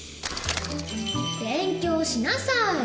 勉強しなさい。